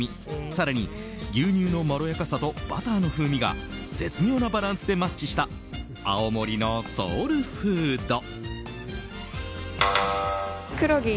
更に、牛乳のまろやかさとバターの風味が絶妙なバランスでマッチした青森のソウルフード。